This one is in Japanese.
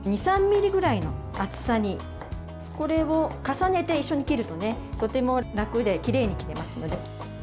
２３ｍｍくらいの厚さにこれを重ねて一緒に切るととても楽できれいに切れますので。